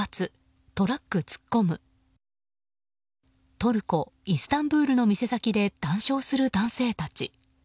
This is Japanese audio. トルコ・イスタンブールの店先で談笑する男性たち。